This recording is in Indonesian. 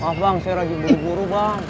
ah bang saya rajin buru buru bang